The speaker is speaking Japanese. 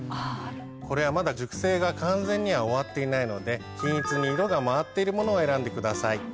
これはまだ熟成が完全には終わっていないので均一に色が回っているものを選んでください。